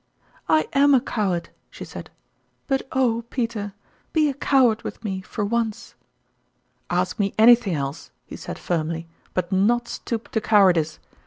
" I am a coward," she said ;" but oh, Peter, be a coward with me for once !"" Ask me anything else !" he said firmly, but not stoop to cowardice.